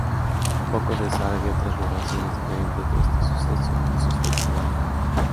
Poco se sabe de otras narraciones diferentes de este suceso y sus fecha varían.